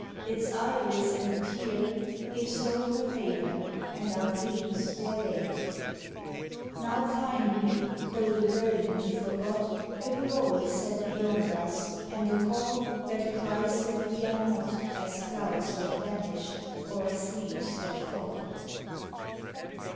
Its iris in the tear Gives Hope her haven and our dreams their gate. Now find we, tho the guerdon be forgot, A glory set beyond us, and a call That cries that we are not As clouds that vanish or as leaves that fall.